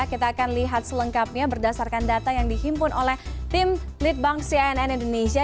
kita akan lihat selengkapnya berdasarkan data yang dihimpun oleh tim litbang cnn indonesia